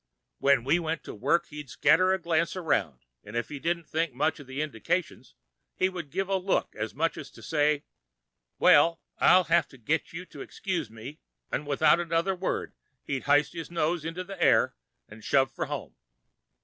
When we went to work, he'd scatter a glance around, 'n' if he didn't think much of the indications, he would give a look as much as to say, 'Well, I'll have to get you to excuse me,' 'n' without another word he'd hyste his nose into the air 'n' shove for home.